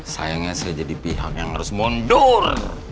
sayangnya saya jadi pihak yang harus mundur